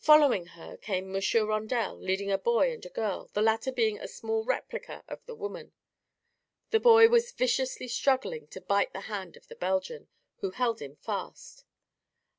Following her came Monsieur Rondel leading a boy and a girl, the latter being a small replica of the woman. The boy was viciously struggling to bite the hand of the Belgian, who held him fast.